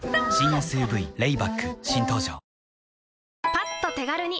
パッと手軽に！